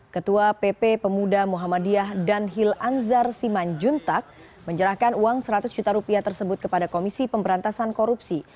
ketua pp pemuda muhammadiyah dan hil anzar simanjuntak menyerahkan uang seratus juta rupiah tersebut kepada komisi pemberantasan korupsi